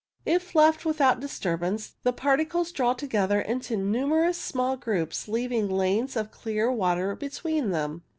If left without disturbance, the particles draw together into numerous small groups, leaving lanes of clear water between them.